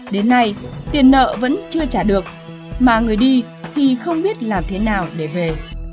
đến nay tiền nợ vẫn chưa trả được mà người đi thì không biết làm thế nào để về